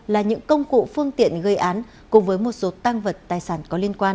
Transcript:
là những công cụ phương tiện gây án cùng với một số tăng vật tài sản có liên quan